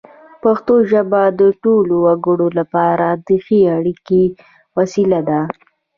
پښتو ژبه د ټولو وګړو لپاره د ښې اړیکې وسیله ده.